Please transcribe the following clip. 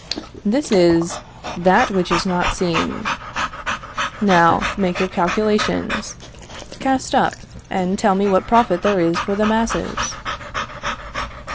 This is that which is not seen. Now make your calculations. Cast up, and tell me what profit there is for the masses?